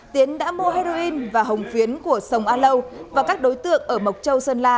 tiến đã mua heroin và hồng phiến của sông a lâu và các đối tượng ở mộc châu sơn la